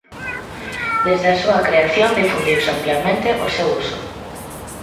Desde a súa creación difundiuse amplamente o seu uso.